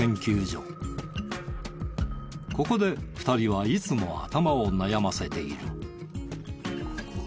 ここで２人はいつも頭を悩ませている。